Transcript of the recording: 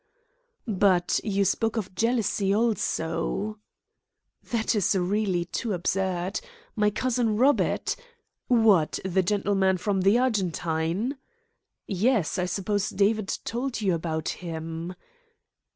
"But you spoke of jealousy also?" "That is really too absurd. My cousin Robert " "What, the gentleman from the Argentine?" "Yes; I suppose David told you about him?"